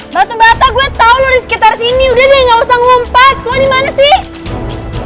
batu bata gue tau lo di sekitar sini udah deh gak usah ngumpet lo dimana sih